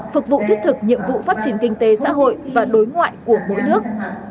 phục vụ thiết thực nhiệm vụ phát triển kinh tế xã hội và đối ngoại của mỗi nước